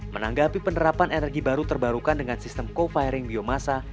menanggapi penerapan energi baru terbarukan dengan sistem co firing biomasa